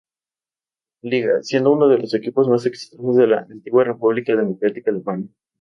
Liga, siendo uno de los equipos más exitosos de la antigua República Democrática Alemana.